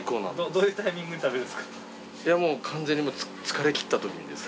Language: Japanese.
どういうタイミングで食べる？